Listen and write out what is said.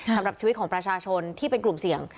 สำหรับชีวิตของประชาชนที่เป็นกลุ่มเสี่ยง